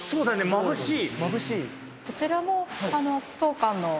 まぶしい。